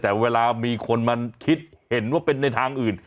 แต่เวลามีคนมาคิดเห็นว่าเป็นในทางอื่น